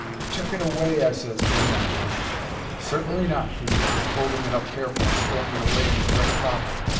"Chuck it away," I ses, going up to him. "Certainly not," he ses, folding it up careful and stowing it away in 'is breastpocket.